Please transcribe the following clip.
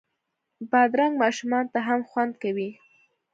بادرنګ ماشومانو ته هم خوند کوي.